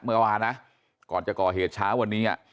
เมื่อวานนะก่อนจะก่อเหตุเช้าวันนี้